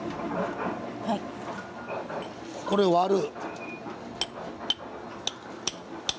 これ割る。